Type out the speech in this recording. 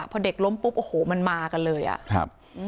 พอเด็กล้มปุ๊บโอ้โหมันมากันเลยอ่ะครับ